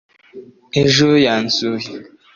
ejo yansuye